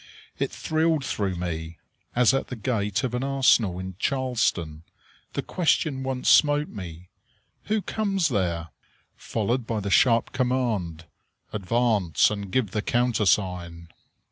It thrilled through me, as at the gate of an arsenal in Charleston, the question once smote me, "Who comes there?" followed by the sharp command: "Advance and give the countersign."